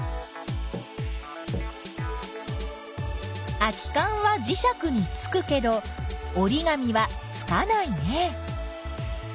空きかんはじしゃくにつくけどおりがみはつかないね。